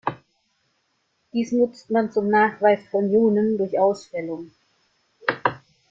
Dies nutzt man zum Nachweis von Ionen durch Ausfällung.